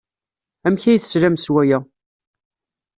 Amek ay teslam s waya?